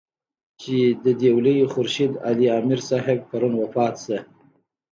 چې د دېولۍ خورشېد علي امير صېب پرون وفات شۀ